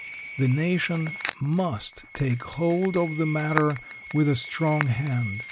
The nation must take hold of the matter with a strong hand.